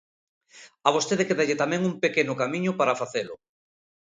A vostede quédalle tamén un pequeno camiño para facelo.